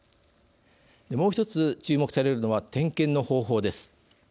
もう１つ、注目されるのは点検の方法です。